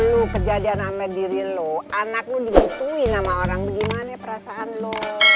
lu kejadian amat diri lu anakmu dibutuhin sama orang gimana perasaan lo